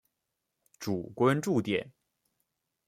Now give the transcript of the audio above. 主关注点。